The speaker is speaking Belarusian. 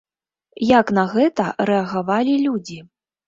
Як на гэта рэагавалі людзі?